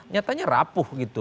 nyatanya rapuh gitu